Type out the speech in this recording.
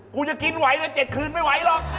กูจะกินไหวเลย๗คืนไม่ไหวหรอก